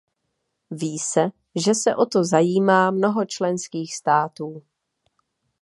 Ví se, že se o to zajímá mnoho členských států.